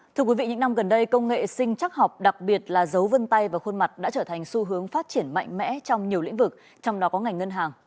thưa quý vị những năm gần đây công nghệ sinh chắc học đặc biệt là giấu vân tay và khuôn mặt đã trở thành xu hướng phát triển mạnh mẽ trong nhiều lĩnh vực trong đó có ngành ngân hàng